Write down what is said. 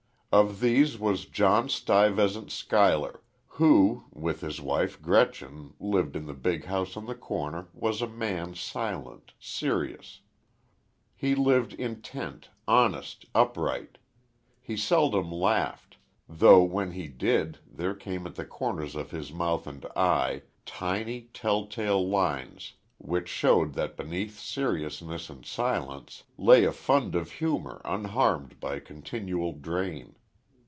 Of these was John Stuyvesant Schuyler, who, with his wife Gretchen, lived in the big house on the corner, was a man silent, serious. He lived intent, honest, upright. He seldom laughed; though when he did, there came at the corners of mouth and eye, tiny, tell tale lines which showed that beneath seriousness and silence, lay a fund of humor unharmed by continual drain.